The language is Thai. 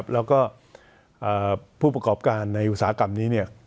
แล้วก็ผู้ประกอบการในอุตสาหกรรมนี้